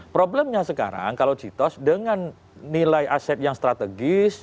problemnya sekarang kalau citos dengan nilai aset yang strategis